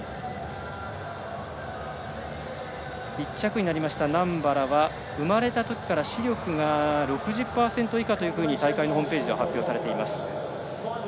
１着になりましたナンバラは生まれたときから視力が６０％以下と大会ホームページで発表されています。